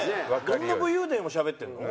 どんな武勇伝をしゃべってるの？